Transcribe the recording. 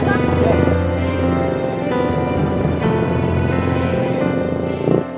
udah diketahui bang